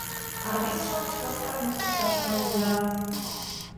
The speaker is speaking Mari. А рвезе-шамыч кызытак мушкылташ кайыза...